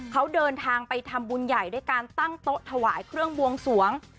เขาเดินทางไปทำบุญใหญ่ด้วยการตั้งโต๊ะถวายเครื่องบวงสวง